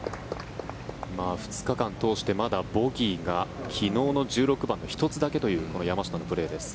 ２日間通してまだボギーが昨日の１８番の１つだけというこの山下のプレーです。